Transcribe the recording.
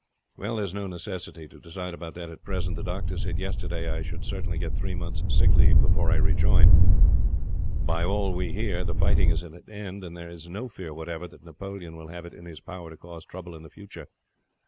"Well, there is no necessity to decide about that at present. The doctor said yesterday I should certainly get three months' sick leave before I rejoined. By all we hear the fighting is at an end, and there is no fear whatever that Napoleon will have it in his power to cause trouble in the future.